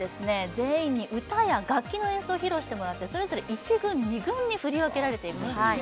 全員に歌や楽器の演奏を披露してもらってそれぞれ１軍２軍に振り分けられていくんですね